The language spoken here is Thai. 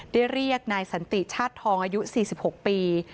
ได้เรียกนายสนติภาพชาติทรทองอายุ๔๖ปี